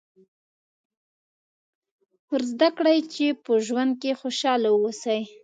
ور زده کړئ چې په ژوند کې خوشاله واوسي.